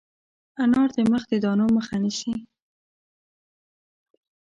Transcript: انار د مخ د دانو مخه نیسي.